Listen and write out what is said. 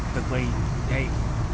tự tùy cháy